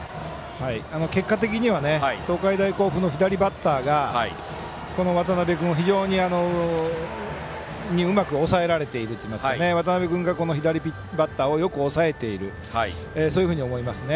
結果的には東海大甲府の左バッターが渡邉君に抑えられているというか渡邉君が左バッターをうまく抑えているとそういうふうに思います。